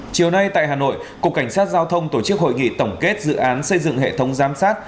chiều nay tại hà nội cục cảnh sát giao thông tổ chức hội nghị tổng kết dự án xây dựng hệ thống giám sát